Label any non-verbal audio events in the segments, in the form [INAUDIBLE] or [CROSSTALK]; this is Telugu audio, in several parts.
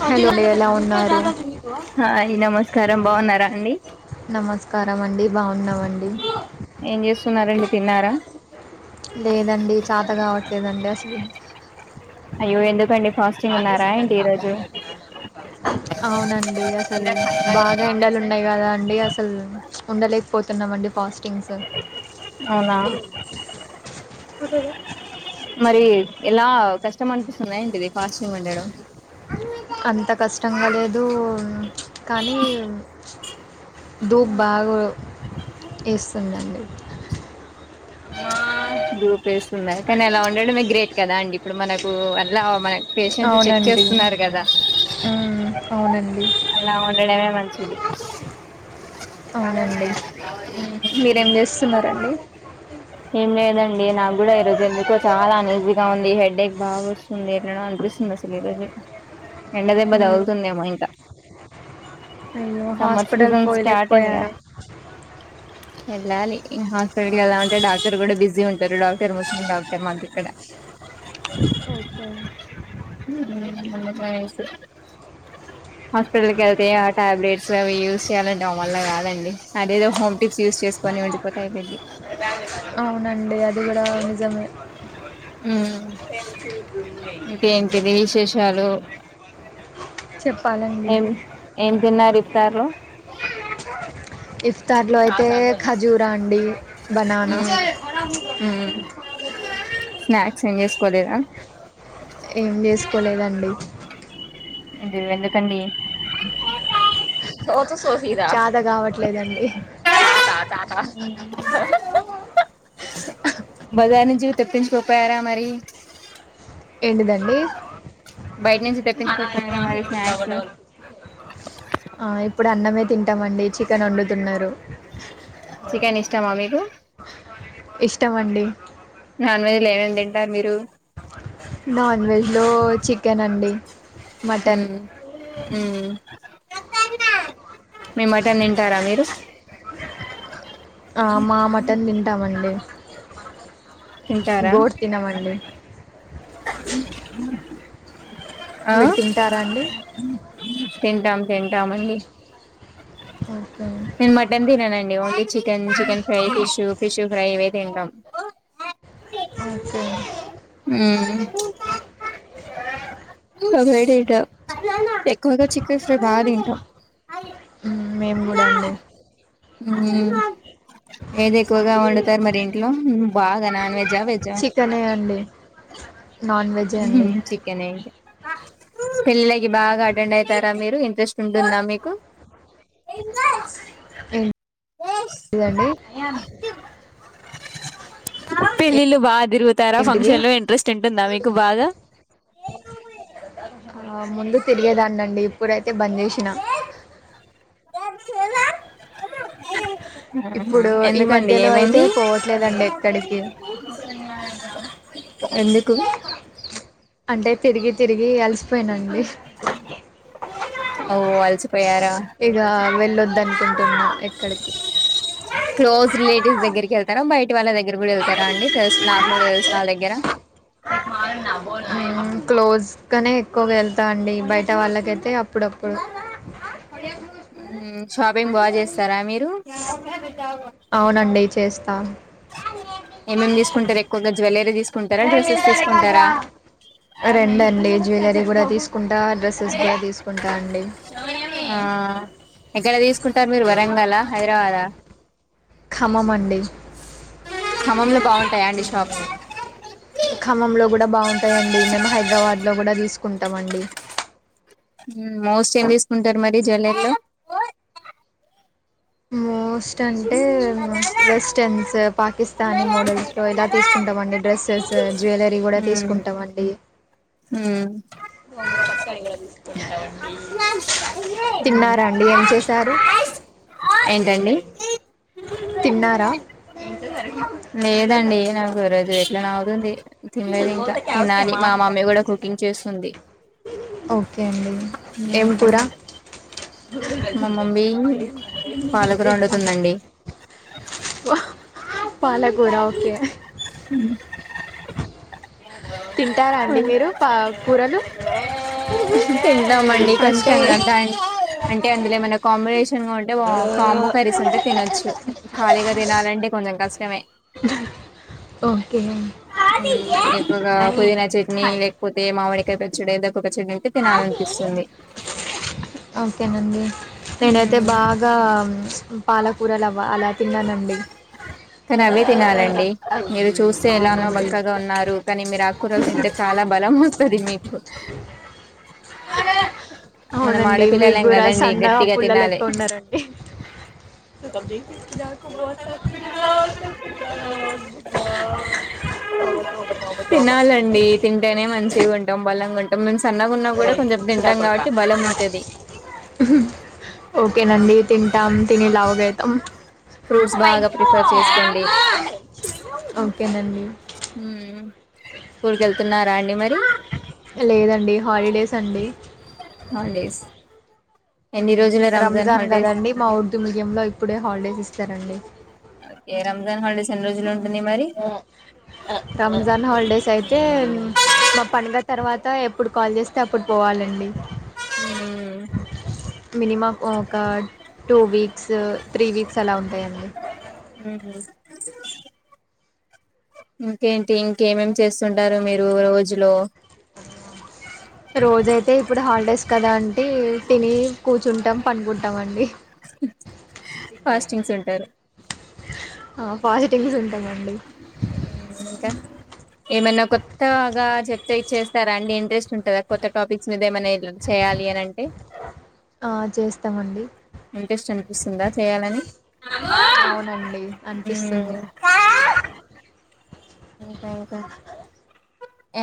హలో అండి ఎలా ఉన్నారు హాయ్ నమస్కారం బాగున్నారా అండి నమస్కారమండి బాఉన్నామండి ఏం చేస్తున్నారండి తిన్నారా లేదండి చాత గావట్లేదండి అస్ లు అయ్యో ఎందుకండి ఫాస్టింగ్ ఉన్నారా ఏంటి ఈరోజ్ ఔనండి అసల్ బాగా ఎండాలునయి గదా అంది అసల్ ఉండలేకపోతునం అండి ఫాస్టింగ్స్ అవునా [UNINTELLIGIBLE] మరి ఎలా కష్టం అనిపిస్తుంద ఏంటిది ఫాస్టింగ్ ఉండడం అంత కష్టంగా లేదు కానీ డూప్ బాగొ ఎస్తుందండి డూప్ ఎస్తుందా కానీ అలా ఉండడమే గ్రేట్ కదా అండి ఇప్పుడు మనకు అట్లా మన పేషెంట్ ని చెక్ అవునండి చేస్తున్నారు కదా ఉమ్, అవునండి అలా ఉండడమే మంచిది అవునండి మీరేం చేస్తున్నారండి ఏం లేదండి నాకు కూడా ఈరోజు ఎందుకో చాలా ఆన్ఏజీగా ఉంది హెడ్ ఎక్ బాగా వస్తుంది ఎట్లనో అనిపి పిస్తోంది అసల్ ఈ రోజే ఎండ దెబ్బ ఉమ్, దగులుతుందేమో ఇంకా అయ్యో సమ్మర్ హాస్పిటల్ సీజన్ స్టార్ట్ అయిందిగా పోయలేకపోయారా వెళ్ళాలి ఇంకా హాస్టల్ కి ఎల్ల ఇడా డాక్టర్ కూడా బిజీ ఉంటారు డాక్టర్ ముస్లిం డాక్టర్ మంక్ ఇక్కడ ఓకే [UNINTELLIGIBLE] హాస్పిటల్కి వెళ్తే అ టాబ్లెట్స్ అవి యూస్ చేయాలంటే నా వాలా కాదండి ఆడ ఏదో హోమ్ పిక్స్ యూస్ చేసుకొని ఉందిపోతే అయిపోయిది అవునండి అది కూడా నిజమే ఇంకేంటిది విశేష చెప్పాలండి ఏం ఏం తిన్నారు ఈతార్లు ఇఫ్తార్ లో అయితే ఖజూరా అండి బనానా ఉమ్ ఉమ్ స్నాక్స్ ఏం చేసుకోలేదా ఏం చేసుకోలేదండి ఇందు వెందుకండీ చాత కావట్లేదండి బజార్ నుంచి తెప్పించుకోపోయారా మరి ఏంటిదండి బయట నుంచి తెప్పించుకోపోయారా మరి స్నాక్స్ ఆ ఇప్పుడు అన్నమే తింటామండి చికెన్ వండుతున్నారు చికెన్ ఇష్టమా మీకు ఇష్టం అండి నాన్ వెజ్ లో ఎంఎం తింటారు మీరు నాన్ వెజ్ లో చికెన్ అండి మటన్ హ్మ్ హ్మ్ మీ మటన్ తింటారా మీరు అ మా మటన్ తింటామండి తింటారా గోట్ తినమండి ఆ మీరు తింటారా అండి తింటాం తింటాం అండి ఓకే నేను మటన్ తిననండి only chicken chicken fry fish fish fry ఇవే తింటం ఒకే ఉమ్ ఎక్కువగా చికెన్ ఫ్రై బాతింటా మేముగూడండి ఉమ్ ఏది ఎక్కువగా వండుతరు మరి ఇంట్లో బాగా నాన్ వెజ్జా వెజ్జా నా ఉహు చికెనే పెళ్ళిలకి బాగా అటెండ్ అయితారా మీరు ఇంట్రెస్ట్ ఉంటుందా మీకు బ్లాంక్ ఏంటిదండి పెళ్ళిలు బాగా తిరుగుతారా ఏంటిది ఫంక్షన్ లో ఇంట్రెస్ట్ ఉంటుందా మీ కు బాగా ఆ ముందు తిరిగేదాన్నండి ఇప్పుడైతే బంద్ చేసినా బ్లాంక్ ఇప్పుడు ఈ మధ్యలో అయితే పోవట్లేదండి ఎక్కడికి ఎందుకు అంటే తిరిగి తిరిగి అలిసి పోయినండి ఓ అలసిపోయారా ఇగ వెళ్ళొద్దనుకుంటున్నా క్లోజ్ రిలేటివ్స్ దగ్గరికి వెళ్తర బ యట వాళ్ళ దగ్గర కూడా వెళ్తారండి తెలు నార్మల్గా తెలిసిన వాళ దగ్గర ఉమ్ క్లోజ్గనే ఎక్కువగా వెళ్ ళ్తా అండి బయట వాళ్ళకైతే అప్పుడప్పుడు మ్మ్ షాపింగ్ బాగా చేస్తారా మీరు అవునండి చేస్తా ఏమేమి తీసుకుంటరు ఎక్కువగా జువలరీ రెండుఅండి జ్యువెలరీ కూడా తీసుకుంటా డ్రెస్ స్సెస్ గుడా తీసుకుంటాండి ఆ ఎక్కడ తీసుకుంటరు మీరు వరంగల్ ఆ హైదరాబాద ఖమ్మం అండి ఖమ్మంలో బాగుంటాయా అండి షాప్స్ ఖమ్మంలో గూడా బాగుంటాయండి మేము హైదరాబాద్లో కూడా తీసుకుంటామండి ఉమ్ మోస్ట్ ఏం తీసుకుంటరు మరి జూవెల్లారిలో మోస్ట్ అంటే వెస్టన్స్ పాకిస్తానీ మోడల్స్ లో ఇలా తీసుకుంటామండి డ్రెస్సెస్ జ్యువెలరీ కూడా ఉమ్ తీసుకుంటామండి ఉమ్ తిన్నార అండి ఏం చే స్తున్నారు ఏంటండి తిన్నారా లేదండి నాకు ఈ రోజు ఎట్లానోఅవుతుంది తినలేదు ఇంకా తినాలి మా మమ్మీ కూడ కుకింగ్ చేస్తుంది ఓకే అండి ఏమ్ కూర మ్మ్ మా మమ్మీ బ్లాంక్ పాలకూర వండుతుందండి పాలకూర ఓకే ఉహ్మ్ తింటార అండి మీరు పా కూరలు తింటామండి అంటే కష్టంగా డాంట్ అంటే అందులో ఏమైనా కాంబినేషన్ గా ఉంటే కాంబో కర్రీస్ ఉంటే తినొచ్చు ఖాళీగా తినాలంటే కొంచెం కష్ట మే ఓకే ఉమ్ ఎక్కువగా పుదినా చట్నీ లేకపోతే మామిడికాయ పచ్చడి ఒక చెక్నీ అయితే తినాలనిపిస్తుంది ఓకేనండి నేనైతే ఉమ్ బాగా పాలకూరలు అవ అలా తిన్నానండి కానీ అవే తినాలండి మీరు చూస్తే ఎలానో అవునండి బక్కగా ఉన్నారు కానీ మీరు ఆకుకూరలు తింటే చాల ల బలం వస్తది మీకు మనం అవునండి ఆడపిల్లలేం మీకూడా కదండి సన్నగా గట్టిగా తినాలి పుల్లలెక్క ఉన్నారండి తుత్తంజి నాకు బోట్ అచ్చు నాక్ తినాలండి తింటేనే మంచిగుంటాం బలం ఓయ్ ఉచిరాకొడ్క కాబట్టి బలం ఉంటది ఓకేనండి తింటాం తిని లావుగైతం ఫ్రూట్స్ బాగా ప్రిఫర్ చేసుకోండి ఓకే నండి ఉమ్ స్కూల్కెళ్తున్నారా అండి మరి లేదండి హాలిడేస్ అండి హాలీడేస్ రంజాన్ గాదండి మా ఊరుదుందింలో ఇప్పుడే హాల్డేస్ ఇస్తారండి ఆ ఎ రంజాన్ హాల్డేస్ ఏన్ని రోజులు ఉంటుంది మరి అ రంజాన్ హాల్డేస్ అయితే మా పండుగ తర ర్వత ఎప్పుడు కాల్ జేస్తే అప్పుడు పోవాలండి మ్మ్ మినిమం ఒక టూ వీక్స్ త్రీ వీక్స్ అలా ఉంటాయండి ఉహ్మ్ ఇంకేంటి ఇంకేమేమ్ చేస్తుంటారు మీరు రోజులో రోజయితే ఇప్పుడు హాల్డేస్ కదా అంటే తిని కూర్చుంటాం పనుగుంటాం అండి ఫాస్టింగ్స్ ఉంటారు ఆ ఫాస్టింగ్స్ ఉంటామండి మ్మ్ ఇంకా ఏమన్నా కొత్తగా చెప్ ప్తే చేస్తారాండి ఇంట్రెస్ట్ ఉంటద కొత్త టాపిక్స్ మీద ఏమైనా ఇగ ఆ చేస్తామండి ఇంట్రెస్ట్ అనిపిస్తుందా చేయాలని అవునండి మ్మ్ అనిపిస్తుంది ఇంకా ఇంకా ఆ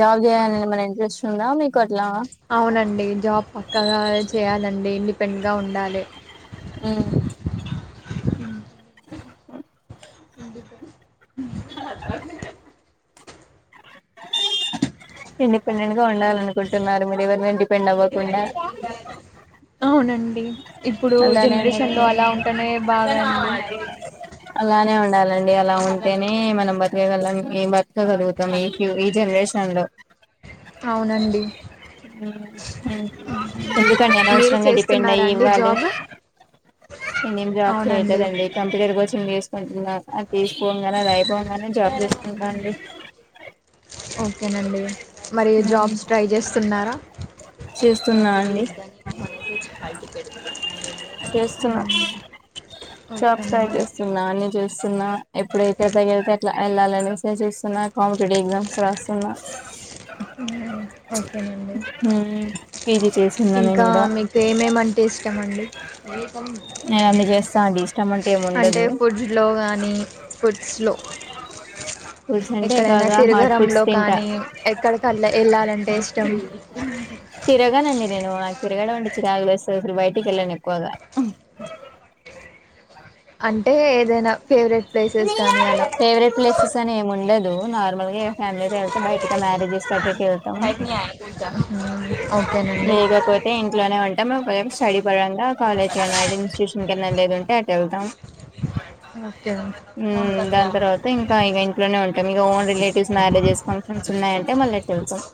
జాబ్ చేయాలని ఏమైనా ఇంట్రెస్ట్ ఉందా మీకు అట్లా అవునండి జాబ్ పక్కగా చేయాలండి మిక్ ఫెంగ్గా ఉండాలే మ్మ్ అందుకే ఇండిపెండెంట్ గా ఉండాలనుకుంటున్నారు మీరేవరి మీద డిపెండ్ అవ్వకుండా అవునండి ఇప్పుడు అలానే జనరేషన్లో ఉండాలండి అలా ఉంటేనే బాగా అండి అలానే ఉండాలండి అలా ఉంటేనే మనం బ్రతకగలం ఏం బ్రతగల్గుతం ఈ ఫ్యూరీ జన్రేషన్లో అవునండి ఎ ఎందుకండీ మీరు అనవసరంగా డిపెండై చేస్తున్నారా అండి ఇవ్వాలు జాబ్ నేనేం జాబ్ అవునండి చేయలేదండి కంపెనీలు గుడ్ చెప్ తీసుకుంటున్నారు అది తీస్కొంగానే అది అయిపొంగనే జాబ్ తెచ్చుకుంట అండి కేనండి మరి ఉమ్ జాబ్స్ ట్రై చేస్తున్నారా చేస్తున్నా అండి మ్మ్ జాబ్స్ ఫ్రై ఓకేనండి చేస్తున్నా నిజ చూస్తున్నా ఎప్పుడైతే ఆదాయుంటే అట్లా ఏళ్లాలని సేసేస్తున్న కాంపిటీటివ్ ఎగ్జామ్స్ రా స్తున్న మ్మ్. ఓకేనండి మ్మ్ పీజీ చేస్తున్న నేన్ ఆ మీకేమేమంటే ఇష్టమండి నెన్నన్ని జేస్త అండి ఇష్టం అంట ఎమ్ముండదు ఫుడ్స్లో కానీ ఫుడ్స్లో ఎక్కడైనా హాట్ ఫుడ్స్ తిరగరంలో తింటా కానీ ఎక్కడిక్కల్ల ఏళ్ళాలంటే ఇష్టం తిరగానండి నేను ఆ తిరగడం అండి చిరాగులేస్తాద్ అస్సల్ బాయిటికి ఏళను ఎక్కువగా అంటే ఏదైనా ఫేవరెట్ ప్లేసెస్ కానీ అలా ఫేవరెట్ ప్లేసెస్ అని ఏమి ఉండదు నార్మల్ గా ఫ్యామిలీ బయటగా మ్యారేజెస్ అట్టు ఇట్టు వెళ్తాము మ్మ్. ఓకేనండి లేకపోతే ఇంట్లోనే ఉంటాం సైడ్ పరంగా కాలేజ్ కి ఏ ఇన్స్టిట్యూషన్ కి వేళేది ఉంటే అటు వెళ్తాం ఓకే ఉమ్ దాని తర్వాత ఇంకా ఇగ ఇంట్లోనే ఉం టాం ఇగ ఓన్ రిలేటివ్ మ్యారజెస్ ఫంక్షన్స్ ఉన్నాయంటే మళ్ళా ఇట్టు వెళ్తాము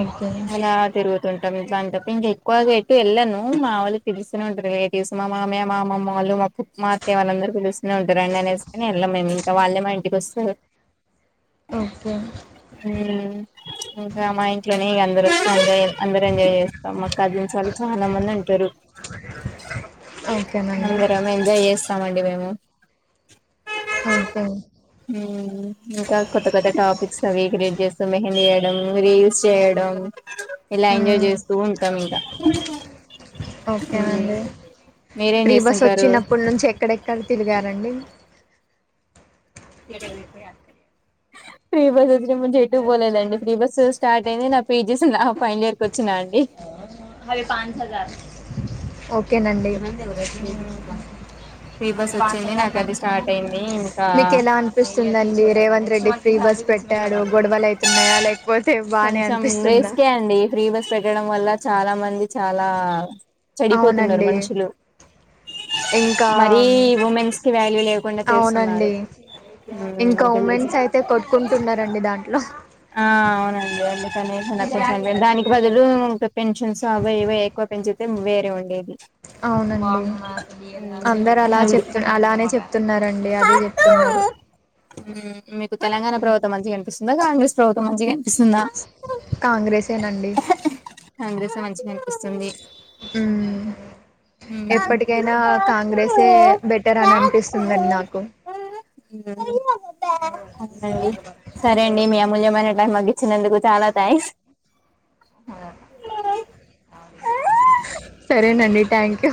ఓకే అలా తిరుగుతుంటాం ఇట్లాంటి అపుడు ఇంకా ఎక్కువ ఎటు ఎలానూ మా వాళ్ళు పిలుస్తానే ఉంటారు రిలేటివ్స్ మామావయ్య మామ్మామ్మ వాళ్ళు మా పూ మా అత్తయ వాళ్లందరూ పిలుస్తానే ఉంటారు అయినా మేము వెళ్ళాము ఇంకా వల్లే మా ఇంటికి వస్తారు ఓకే హ్మ్ ఇంకా మా ఇంట్లోనే ఇగ అందరు అందరు ఎంజాయ్ చేస్తాం మా కజిన్స్ వాళ్ళు చాలా మంది ఉంటారు ఓకేనండి అందరము ఎంజాయ్ చేస్తామండి మేము ఉహ్మ్ ఉమ్ ఇంకా కొత్త కొత్త టాపిక్స్ అవి క్రియేట్ చేస్తూ మెహందీ వేయడం రీల్స్ చేయడం ఇలా ఎంజాయ్ చేస్తూ ఉంటాం ఇంకా హ్మ్ ఒకేనండి మీరేం ఫ్రీ బస్ చేస్తుంటారు వచ్చినప్పుడు నుంచి ఎక్కడెక్కడ తిరిగారాండి [UNINTELLIGIBLE] ఫ్రీ బస్ వచ్చినప్పుడు నుండి ఎటు పోలేదండి ఫ్రీ బస్సు స్టార్ట్ అయింది నా పీజీ నా ఫైనల్ ఇయర్ కి వచ్చినా అండి ఓకే నండి ఫ్రీ బస్ వచ్చింది నాకు [UNINTELLIGIBLE] అది స్టార్ట్ అయింది ఇంకా మీకు ఎలా అనిపిస్తుందండి రేవంత రే డ్డి ఫ్రీ బస్ పెట్టాడు గొడవలు అయితున్నాయా లైక్ కొంచెం రిస్క్ ఏ అండి ఫ్రీ బస్ పెట్టడం వల్ల చాలా మంది చాలా చేడిపోతున్నారు అవునండి మనుషులు ఇంకా మరీ ఉమెన్స్ కి వేల్యూ లేకుండా చేస్తున్నారు అవునండి ఇంకా ఉమెన్స్ అయితే కొట్టుకుంటున్నారండి దాంట్లో ఆ అవునండి అందుకని దానికి బదులు ఇంకా పెషన్స్ అవే ఇవే ఎక్కువ పెంచి ఎమ్ వేరేది ఉండేది అవునండి అందరు అలా హెల్త్ చెప్తు అలానే చెప్తున్నారండి అదే చెప్తున్నారు మీకు తెలంగాణ ప్రభుతవం మంచిగా అనిపిస్తుందా కాంగ్రెస్ ప్రభుత్వం మంచిగా అనిపిస్తుందా కాంగ్రెసేనండి కాంగ్రెస్ మంచి ఉమ్ ఎప్పటికైనా కాంగ్రెసే బెటర్ అని అనిపిస్తుంది అండి నాకు అవునండి సరే అండి మీ అమూల్యమైన టైమ్ మాకిచి ఇచ్చినందుకు చాలా థాంక్స్ ఆ సరేనండి థాంక్యూ